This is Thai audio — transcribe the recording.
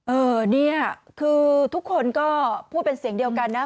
เออเนี่ยคือทุกคนก็พูดเป็นเสียงเดียวกันนะ